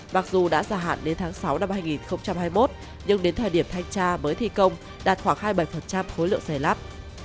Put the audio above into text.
mặc dù đã gia hạn đến tháng sáu năm hai nghìn hai mươi một nhưng đến thời điểm thanh tra mới thi công đạt khoảng hai mươi bảy khối lượng xây lắp